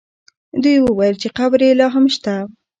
دوی وویل چې قبر یې لا هم شته.